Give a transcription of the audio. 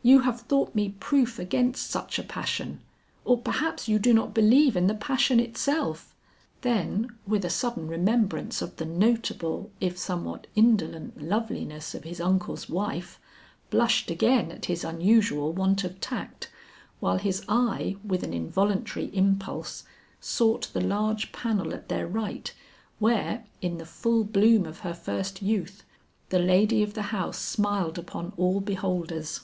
"You have thought me proof against such a passion, or perhaps you do not believe in the passion itself!" Then with a sudden remembrance of the notable if somewhat indolent loveliness of his uncle's wife, blushed again at his unusual want of tact, while his eye with an involuntary impulse sought the large panel at their right where, in the full bloom of her first youth, the lady of the house smiled upon all beholders.